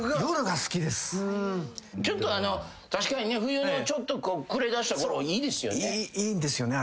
確かにね冬のちょっと暮れだしたころいいですよね。